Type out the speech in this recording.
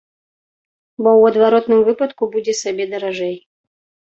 Бо ў адваротным выпадку будзе сабе даражэй.